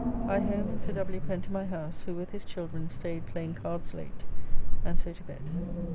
I home and Sir W. Pen to my house, who with his children staid playing cards late, and so to bed.